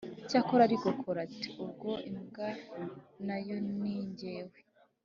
cyakora arikokora ati "ubwo imbwa na yo ni jyewe